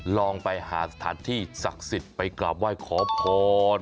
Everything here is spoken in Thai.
ลองไปหาสถานที่ศักดิ์สิทธิ์ไปกราบไหว้ขอพร